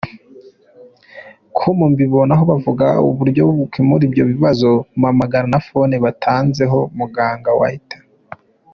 com mbibonaho bavuga uburyo ukemura ibyo bibazo, mpamagara na phone batanzeho muganga wayita.